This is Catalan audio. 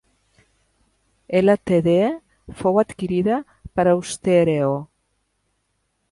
Ltd. fou adquirida per Austereo.